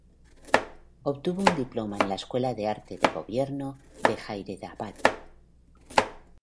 Obtuvo un Diploma en la Escuela de Arte de Gobierno, de Hyderabad.